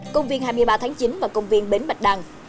công viên hai mươi ba tháng chín và công viên bến bạch đăng